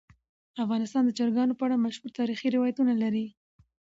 افغانستان د چرګانو په اړه مشهور تاریخی روایتونه.